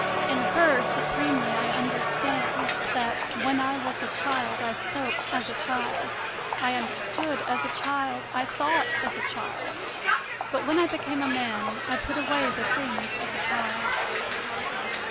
In her supremely I understand that "when I was a child I spoke as a child, I under stood as a child, I thought as a child. But when I became a man, I put away the things of a child."